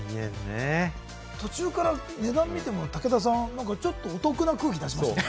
途中から値段見ても、武田さん、ちょっとお得な空気を出しましたよね？